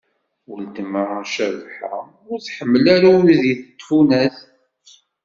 Ultma Cabḥa ur tḥemmel ara udi n tfunast.